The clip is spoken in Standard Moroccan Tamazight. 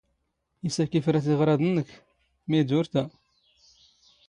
ⵉⵙ ⴰⴽ ⵉⴼⵔⴰ ⵜⵉⵖⵔⴰⴷ ⵏⵏⴽ? ⵎⵉⴷ ⵓⵔ ⵜⴰ?